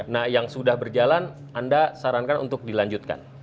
nah yang sudah berjalan anda sarankan untuk dilanjutkan